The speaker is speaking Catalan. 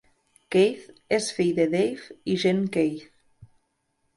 Keith és fill de Dave i Jean Keith.